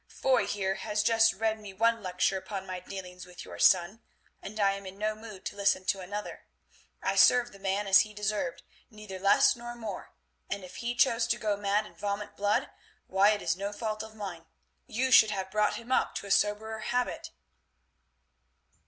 "Foy here has just read me one lecture upon my dealings with your son, and I am in no mood to listen to another. I served the man as he deserved, neither less nor more, and if he chose to go mad and vomit blood, why it is no fault of mine. You should have brought him up to a soberer habit."